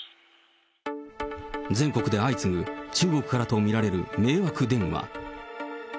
全国で相次ぐ中国からと見られる迷惑電話。